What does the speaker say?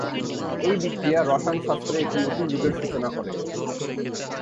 এই বিক্রিয়া রসায়ন শাস্ত্রে একটি নতুন যুগের সূচনা করে।